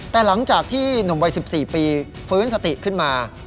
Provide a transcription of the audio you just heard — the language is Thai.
แต่หลังจากที่หนุ่มวัย๑๔ปีฟื้นสติขึ้นมา